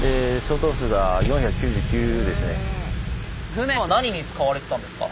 船は何に使われてたんですか？